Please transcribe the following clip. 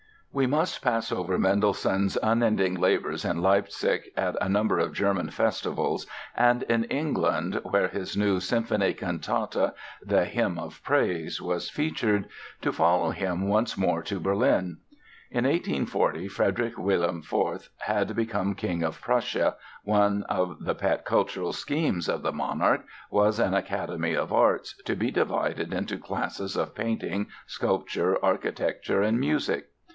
We must pass over Mendelssohn's unending labours in Leipzig, at a number of German festivals and in England (where his new "symphony cantata", the "Hymn of Praise", was featured) to follow him once more to Berlin. In 1840 Frederick William IV had become King of Prussia. One of the pet cultural schemes of the monarch was an Academy of Arts, to be divided into classes of painting, sculpture, architecture and music.